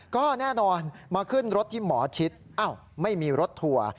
ก็แน่นอนมาขึ้นรถที่หมอชิดไม่มีรถทัวร์